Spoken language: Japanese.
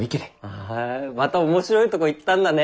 ああまた面白いとこ行ったんだね。